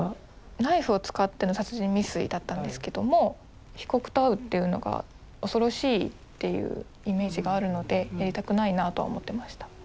ナイフを使っての殺人未遂だったんですけども被告と会うっていうのが恐ろしいっていうイメージがあるのでやりたくないなとは思ってました。